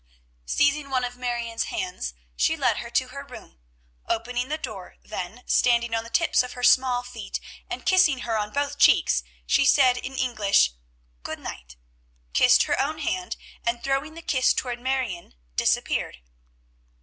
Seizing one of Marion's hands, she led her to her room, opening the door, then, standing on the tips of her small feet and kissing her on both cheeks, she said in English, "Good night," kissed her own hand, and, throwing the kiss toward Marion, disappeared.